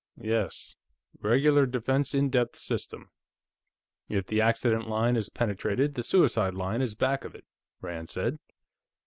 "Yes. Regular defense in depth system; if the accident line is penetrated, the suicide line is back of it," Rand said.